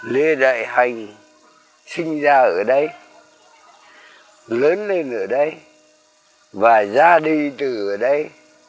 lê đại hành sinh ra ở đây lớn lên ở đây và ra đi từ ở đây